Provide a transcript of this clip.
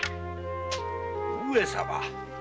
上様！